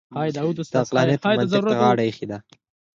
د عقلانیت منطق ته غاړه اېښې ده.